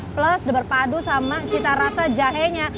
plus berpadu sama cita rasa jahenya